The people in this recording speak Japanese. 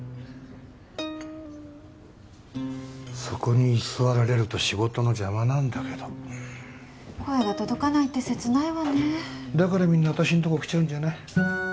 そこに居座られると仕事の邪魔なんだけど声が届かないってせつないわねだからみんな私んとこ来ちゃうんじゃない？